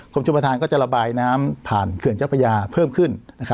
คุณผู้ชมทางก็จะระบายน้ำผ่านเหลือเกินเจ้าประหยาเพิ่มขึ้น